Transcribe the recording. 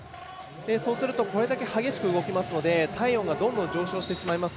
そうすると、これだけ激しく動きますので体温がどんどん上昇してしまいます。